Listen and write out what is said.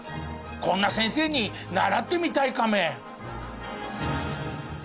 こんな先生に習ってみたいカメ。